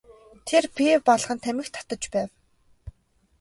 Тэр пиво балган тамхи татаж байв.